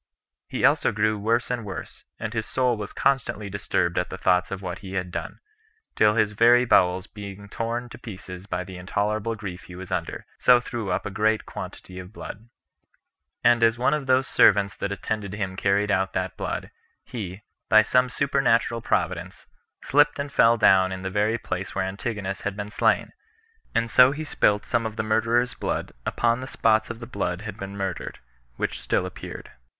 He also grew worse and worse, and his soul was constantly disturbed at the thoughts of what he had done, till his very bowels being torn to pieces by the intolerable grief he was under, he threw up a great quantity of blood. And as one of those servants that attended him carried out that blood, he, by some supernatural providence, slipped and fell down in the very place where Antigonus had been slain; and so he spilt some of the murderer's blood upon the spots of the blood of him that had been murdered, which still appeared.